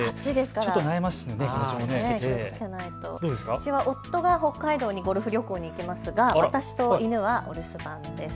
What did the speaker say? うちは夫は北海道ゴルフ旅行に行きますが私と犬はお留守番です。